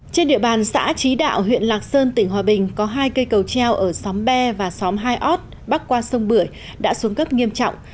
trên địa bàn xã trí đạo huyện lạc sơn tỉnh hòa bình có hai cây cầu treo ở xóm be và xóm hai ót bắc qua sông bưởi đã xuống cấp nghiêm trọng